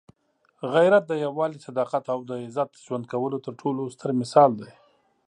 غیرت د یووالي، صداقت او د عزت ژوند کولو تر ټولو ستر مثال دی.